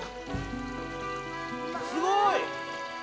すごい！